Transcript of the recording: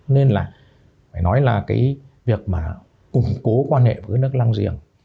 nên là phải nói là cái việc mà củng cố quan hệ với nước lăng riềng